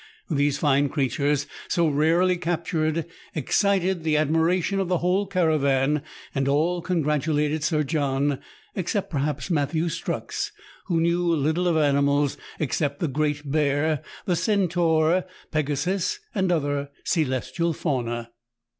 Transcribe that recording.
These fine creatures, so rarely captured, excited the admiration of the whole caravan, and all congratulated Sir John, except perhaps Matthew Strux, who knew little of animals, except the Great Bear, the Centaur, Pegasus, and other celestial fauna.